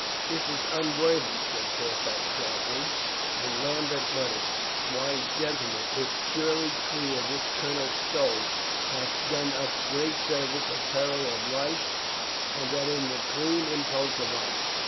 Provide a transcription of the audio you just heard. "This is unworthy," said Fairfax sharply, and Lambert muttered. "Why, gentlemen, it's surely clear this Colonel Stow hath done us great service at peril of life and that in the clean impulse of honor.